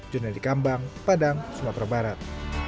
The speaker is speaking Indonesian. junaidikambang padang sumatera barat